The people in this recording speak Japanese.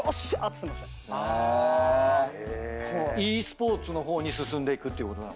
ｅスポーツの方に進んでいくっていうことなのかな。